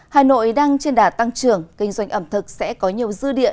hà nội đang trên đả tăng trưởng kinh doanh ẩm thực sẽ có nhiều dư địa